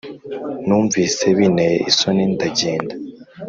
Numvise bineye isoni ndagenda